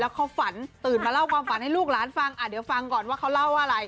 เขาฝันตื่นมาเล่าความฝันให้ลูกหลานฟังเดี๋ยวฟังก่อนว่าเขาเล่าอะไร